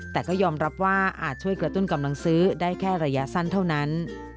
แต่ก็ยอมรับว่าอาจช่วยกระตุ้นกำลังซื้อได้แค่ระยะสั้นเท่านั้น